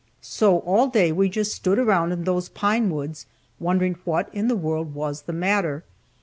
So all day we just stood around in those pine woods, wondering what in the world was the matter.